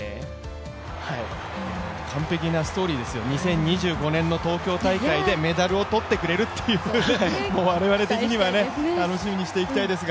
完璧なストーリーですよ、２０１５年の東京大会でメダルを取ってくれるという、我々的には楽しみにしていきたいですが。